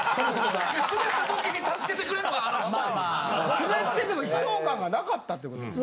スベってても悲壮感がなかったってことですか？